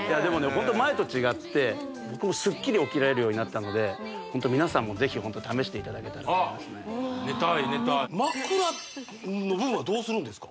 ホント前と違って僕もスッキリ起きられるようになったのでホント皆さんもぜひホント試していただけたらと思いますねあっ寝たい寝たい枕の部分はどうするんですか？